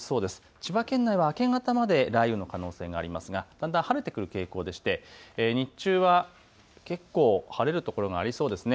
千葉県内は明け方まで雷雨の可能性がありますがだんだん晴れてくる傾向でして日中は結構晴れる所がありそうですね。